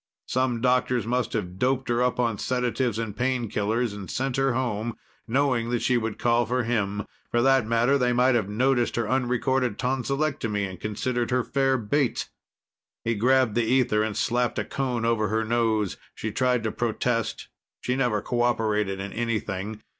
Some doctors must have doped her up on sedatives and painkillers and sent her home, knowing that she would call him. For that matter, they might have noticed her unrecorded tonsillectomy and considered her fair bait. He grabbed the ether and slapped a cone over her nose. She tried to protest; she never cooperated in anything.